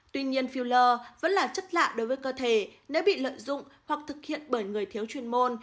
tuy nhiên filler vẫn là chất lạ đối với cơ thể nếu bị lợi dụng hoặc thực hiện bởi người thiếu chuyên môn